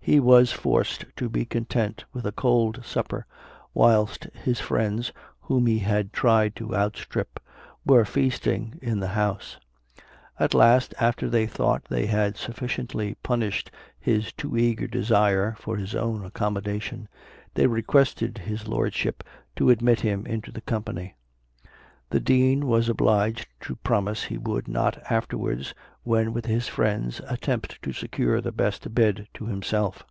He was forced to be content with a cold supper, whilst his friends, whom he had tried to outstrip, were feasting in the house. At last after they thought they had sufficiently punished his too eager desire for his own accommodation, they requested his lordship to admit him into the company. The Dean was obliged to promise he would not afterwards, when with his friends, attempt to secure the best bed to himself.